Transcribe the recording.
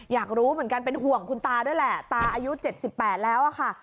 อยากรู้เหมือนกันเป็นห่วงคุณตาด้วยแหละตาอายุ๗๘แล้วค่ะ